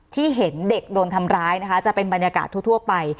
ที่เห็นเด็กโดนทำร้ายนะคะจะเป็นบรรยากาศทั่วไป